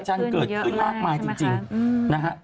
จันทร์เกิดขึ้นมากมายจริงนะฮะ